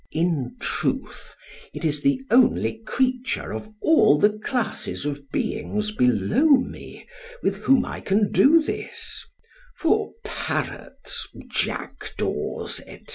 In truth, it is the only creature of all the classes of beings below me, with whom I can do this: for parrots, jackdaws, &c.